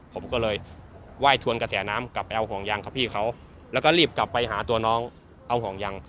ผมก็เลยไหว้ทวนกระแสน้ำกลับไปเอาห่วงยางครับพี่เขาแล้วก็รีบกลับไปหาตัวน้องเอาห่วงยาง